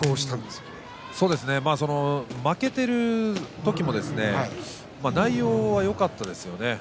負けている時も内容はよかったですよね。